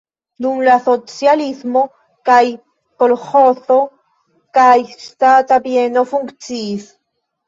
Dum la socialismo kaj kolĥozo, kaj ŝtata bieno funkciis.